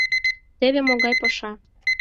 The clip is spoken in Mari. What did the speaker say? Теве могай паша.